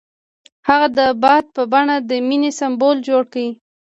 هغه د باد په بڼه د مینې سمبول جوړ کړ.